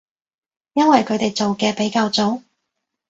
因為佢哋做嘅比較早